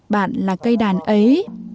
bạn là cây đàn ấy